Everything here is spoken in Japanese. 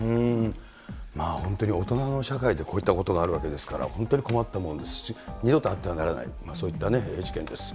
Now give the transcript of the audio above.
本当に大人の社会でこういったことがあるわけですから、本当に困ったもんですし、二度とあってはならない、そういった事件です。